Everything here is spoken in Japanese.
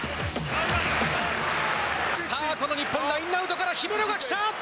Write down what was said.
さあ、この日本、ラインアウトから姫野が来た。